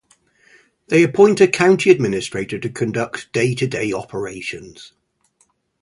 They appoint a County Administrator to conduct day-to-day operations.